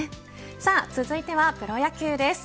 さあ続いてはプロ野球です。